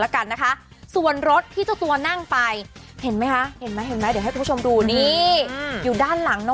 ค่ะ